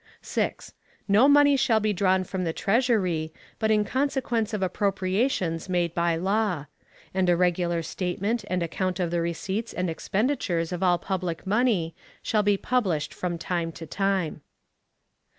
6. No money shall be drawn from the Treasury, but in consequence of appropriations made by law; and a regular statement and account of the receipts and expenditures of all public money shall be published from time to time.